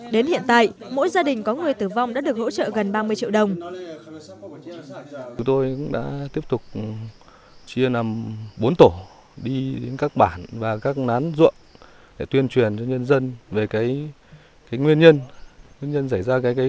đến hiện tại mỗi gia đình có người tử vong đã được hỗ trợ gần ba mươi triệu đồng